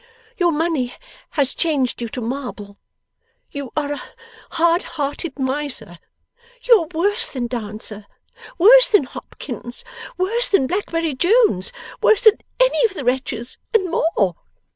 Your money has changed you to marble. You are a hard hearted Miser. You are worse than Dancer, worse than Hopkins, worse than Blackberry Jones, worse than any of the wretches. And more!